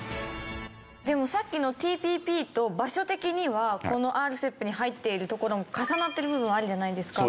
でもさっきのＴＰＰと場所的にはこのＲＣＥＰに入っているところが重なっている部分あるじゃないですか。